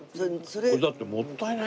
これだってもったいない。